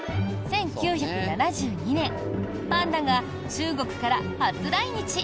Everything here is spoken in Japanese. １９７２年パンダが中国から初来日。